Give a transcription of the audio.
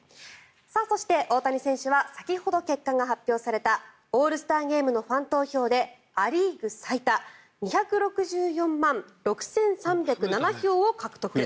そして、大谷選手は先ほど結果が発表されたオールスターゲームのファン投票でア・リーグ最多２６４万６３０７票を獲得。